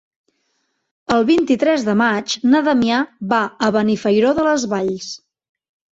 El vint-i-tres de maig na Damià va a Benifairó de les Valls.